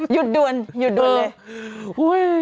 หยุดด่วนหยุดด่วนเลย